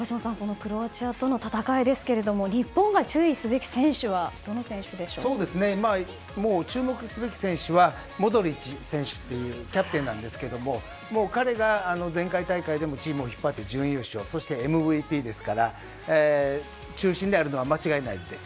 クロアチアとの戦いですけど日本が注意すべき選手は注目すべき選手はモドリッチ選手っていうキャプテンですが彼が前回大会でもチームを引っ張って準優勝そしてＭＶＰですから中心であるのは間違いないです。